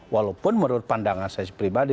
walaupun menurut pandangan saya pribadi